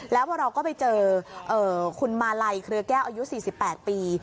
แล้วพอเราก็ไปเจอคุณมาลัยเครือแก้วอายุ๔๘ปี